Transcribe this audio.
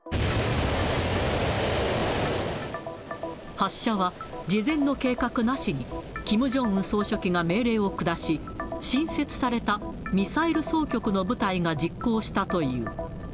発射は、事前の計画なしに、キム・ジョンウン総書記が命令を下し、新設されたミサイル総局の部隊が実行したという。